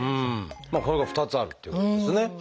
これが２つあるっていうことですね。